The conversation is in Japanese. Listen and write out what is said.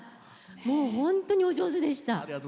もう本当にお上手でした。